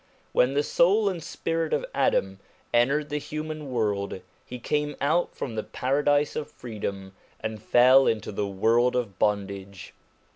When the soul and spirit of Adam entered the human world, he came out from the paradise of freedom and fell into the world of bondage.